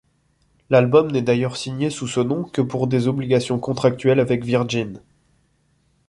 L'album n'est d'ailleurs signé sous ce nom que pour des obligations contractuelles avec Virgin.